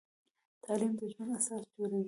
تعلیم د ژوند اساس جوړوي.